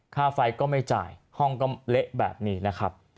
ค่าไฟก็ไม่จ่ายห้องก็เละแบบนี้นะครับ